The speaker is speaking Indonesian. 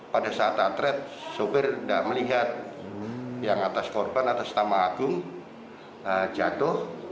pada saat atret sopir tidak melihat yang atas korban atas nama agung jatuh